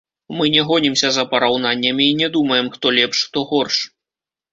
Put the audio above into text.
Мы не гонімся за параўнаннямі і не думаем, хто лепш, хто горш.